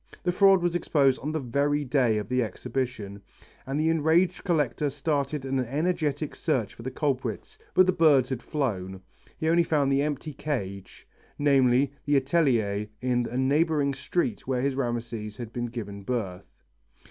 The fraud was exposed on the very day of the exhibition, and the enraged collector started an energetic search for the culprits, but the birds had flown he only found the empty cage, namely the atelier in a neighbouring street where his Rameses had been given birth.